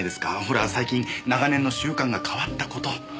ほら最近長年の習慣が変わった事。